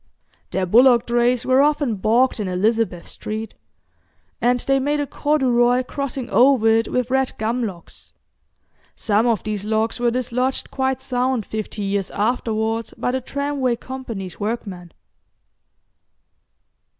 Their bullock drays were often bogged in Elizabeth Street, and they made a corduroy crossing over it with red gum logs. Some of these logs were dislodged quite sound fifty years afterwards by the Tramway Company's workmen.